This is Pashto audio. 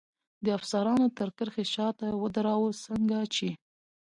د افسرانو تر کرښې شاته ودراوه، څنګه چې.